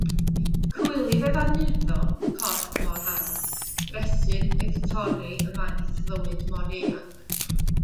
Cywilydd oedd anurddo corff mor hardd; gresyn oedd torri ymaith fywyd mor ieuanc.